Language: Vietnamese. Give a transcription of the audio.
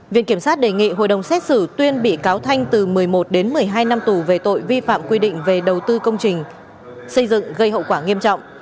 viện kiểm sát đề nghị hội đồng xét xử tuyên bị cáo thanh từ một mươi một đến một mươi hai năm tù về tội vi phạm quy định về đầu tư công trình xây dựng gây hậu quả nghiêm trọng